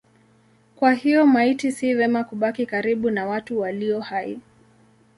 Kwa hiyo maiti si vema kubaki karibu na watu walio hai.